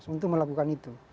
untuk melakukan itu